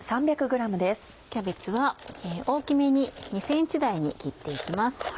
キャベツは大きめに２ｃｍ大に切って行きます。